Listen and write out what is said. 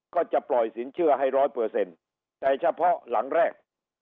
ก็จะปล่อยสินเชื่อให้๑๐๐ในเฉพาะหลังแรก